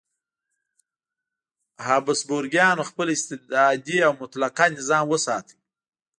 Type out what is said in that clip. هابسبورګیانو خپل استبدادي او مطلقه نظام وساته.